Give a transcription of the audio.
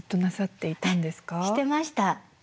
してました。